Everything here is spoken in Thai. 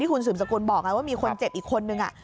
ที่คุณศูนย์สกุลบอกว่ามีคนเจ็บอีกคนหนึ่ง